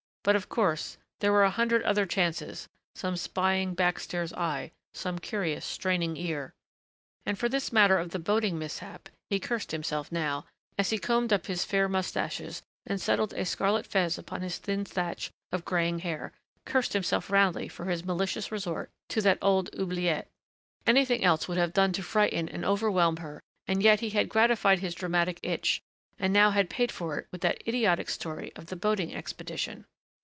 But of course there were a hundred other chances some spying, back stairs eye, some curious, straining ear.... And for this matter of the boating mishap he cursed himself now, as he combed up his fair mustaches and settled a scarlet fez upon his thinned thatch of graying hair, cursed himself roundly for his malicious resort to that old oubliette. Anything else would have done to frighten and overwhelm her and yet he had gratified his dramatic itch and now had paid for it with that idiotic story of the boating expedition.